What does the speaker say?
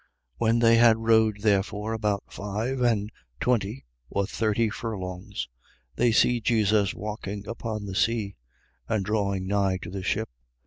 6:19. When they had rowed therefore about five and twenty or thirty furlongs, they see Jesus walking upon the sea and drawing nigh to the ship.